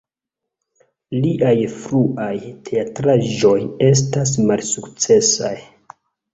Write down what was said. Liaj fruaj teatraĵoj estas malsukcesaj.